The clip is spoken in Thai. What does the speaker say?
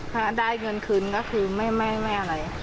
ถ้าได้เงินคืนก็คือไม่อะไรแต่ก็ไม่สั่งแล้ว